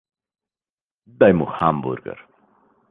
Daj mu hamburger.